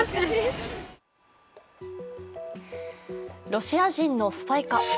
ロシア人のスパイか。